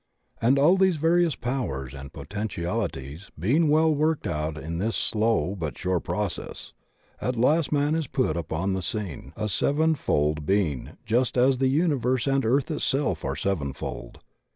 And all these various powers and potentialities being well worked out in this slow but sure process, at last man is put upon the scene a seven fold being just as the universe and earth itself are sevenfold.